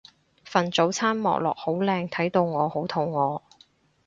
份早餐望落好靚睇到我好肚餓